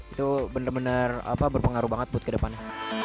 itu bener bener berpengaruh banget buat ke depannya